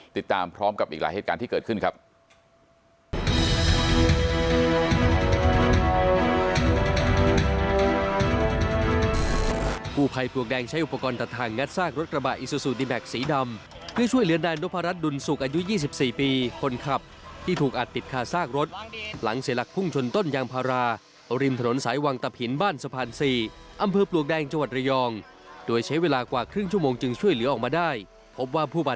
ติดตามพร้อมกับอีกหลายเหตุการณ์ที่เกิดขึ้นครับ